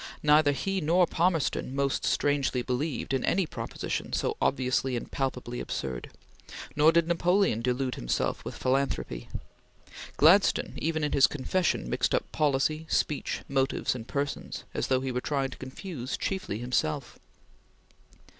Neither he nor Palmerston "most strangely believed" in any proposition so obviously and palpably absurd, nor did Napoleon delude himself with philanthropy. Gladstone, even in his confession, mixed up policy, speech, motives, and persons, as though he were trying to confuse chiefly himself.